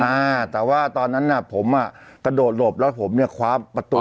อ่าแต่ว่าตอนนั้นน่ะผมอ่ะกระโดดหลบแล้วผมเนี่ยคว้าประตู